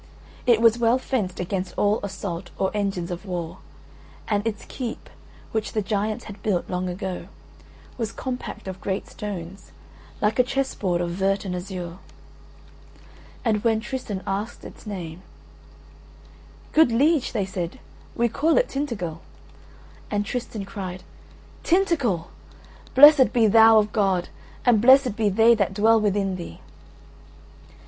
It was well fenced against all assault or engines of war, and its keep, which the giants had built long ago, was compact of great stones, like a chess board of vert and azure. And when Tristan asked its name: "Good liege," they said, "we call it Tintagel." And Tristan cried: "Tintagel! Blessed be thou of God, and blessed be they that dwell within thee."